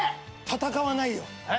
戦わないよ。